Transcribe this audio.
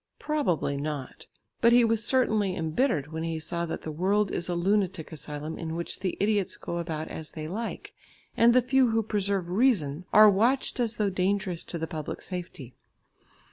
Probably not! But he was certainly embittered when he saw that the world is a lunatic asylum in which the idiots go about as they like, and the few who preserve reason are watched as though dangerous to the public safety.